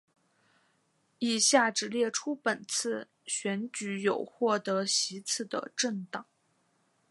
以下只列出本次选举有获得席次的政党